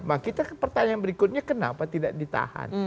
nah kita pertanyaan berikutnya kenapa tidak ditahan